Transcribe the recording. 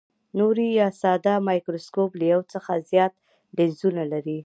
نوري یا ساده مایکروسکوپ له یو څخه زیات لینزونه لري.